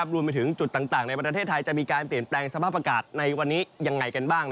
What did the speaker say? รวมไปถึงจุดต่างในประเทศไทยจะมีการเปลี่ยนแปลงสภาพอากาศในวันนี้ยังไงกันบ้าง